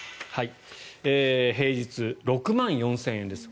平日、６万４０００円です。